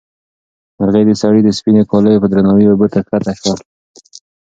مرغۍ د سړي د سپینې کالیو په درناوي اوبو ته ښکته شوې وه.